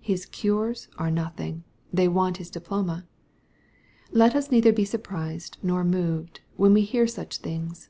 His euros are nothing : they want his diploma. Let us neither be surprised nor moved, when we hear such things.